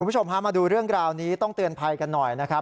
คุณผู้ชมพามาดูเรื่องราวนี้ต้องเตือนภัยกันหน่อยนะครับ